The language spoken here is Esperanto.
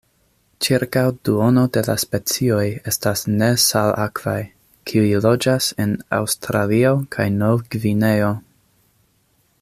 Ĉirkaŭ duono de la specioj estas nesalakvaj, kiuj loĝas en Aŭstralio kaj Novgvineo.